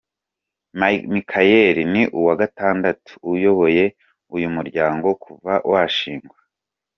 Michaëlle ni uwa gatatu uyoboye uyu muryango kuva washingwa.